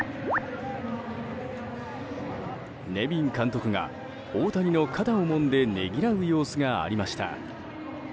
ネビン監督が大谷の肩をもんでねぎらう様子がありました。